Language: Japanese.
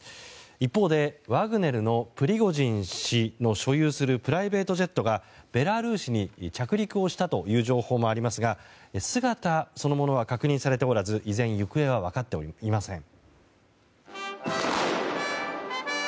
一方、ワグネルのプリゴジン氏の所有するプライベートジェットがベラルーシに着陸したという情報もありますが姿そのものは確認されておらず依然、行方が分かっていません。